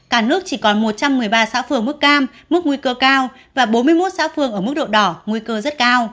cả nước chỉ còn một trăm một mươi ba xã phường mức cam mức nguy cơ cao và bốn mươi một xã phương ở mức độ đỏ nguy cơ rất cao